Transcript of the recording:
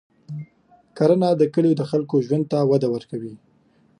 کرنه د کلیو د خلکو ژوند ته وده ورکوي.